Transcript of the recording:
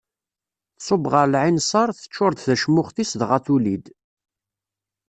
Tṣubb ɣer lɛinseṛ, teččuṛ-d tacmuxt-is dɣa tuli-d.